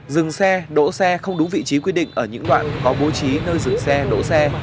dừng xe đỗ xe không đúng vị trí quy định ở những đoạn có bố trí nơi dừng xe đỗ xe